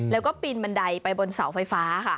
แล้วก็ปีนบันไดไปบนเสาไฟฟ้าค่ะ